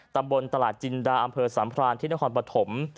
ตำบลตลาดจินดาอำเภอสัมพรานที่นครปฐม